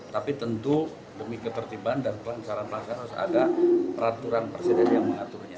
tapi tentu demi ketertiban dan pelanggaran pasar harus ada peraturan persediaan yang mengaturnya